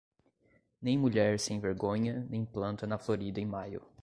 Nem mulher sem vergonha nem planta na florida em maio.